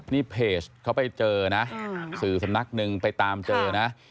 นี่เพจเขาไปเจอนะสื่อสำนักหนึ่งไปตามเจอนะ